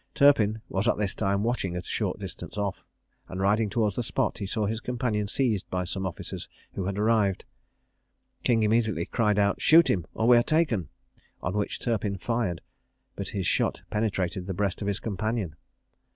Turpin was at this time watching at a short distance off, and riding towards the spot, he saw his companion seized by some officers who had arrived. King immediately cried out "Shoot him, or we are taken;" on which Turpin fired, but his shot penetrated the breast of his companion.